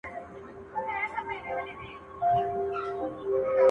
د ښار د تقوا دارو ملا هم دی خو ته نه يې,